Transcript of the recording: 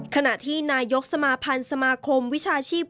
ขณะที่นายกสมาพันธ์สมาคมวิชาชีพ